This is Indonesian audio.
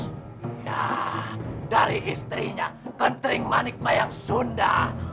nah dari istrinya kentering manikmayang sunda